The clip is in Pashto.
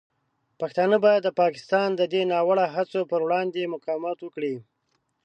پښتانه باید د پاکستان د دې ناوړه هڅو پر وړاندې مقاومت وکړي.